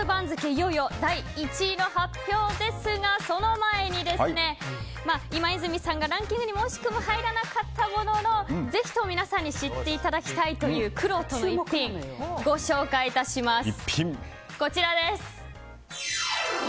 いよいよ第１位の発表ですがその前に、今泉さんがランキングに惜しくも入らなかったもののぜひとも皆さんに知っていただきたいというくろうとの逸品ご紹介致します。